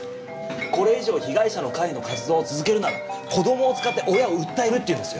これ以上被害者の会の活動を続けるなら子供を使って親を訴えるって言うんですよ。